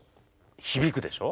響くでしょ。